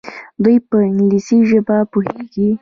دوی په انګلیسي ژبه پوهیږي.